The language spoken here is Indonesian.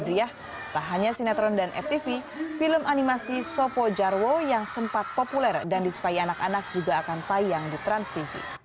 dia tak hanya sinetron dan ftv film animasi sopo jarwo yang sempat populer dan disukai anak anak juga akan tayang di transtv